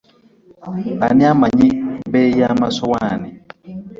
Ani amanyi beeyi y'amasowani?